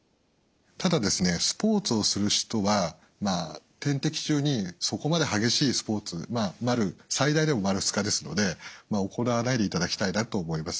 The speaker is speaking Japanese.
ただスポーツをする人は点滴中にそこまで激しいスポーツ最大でも丸２日ですので行わないでいただきたいなと思います。